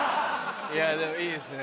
いやでもいいですね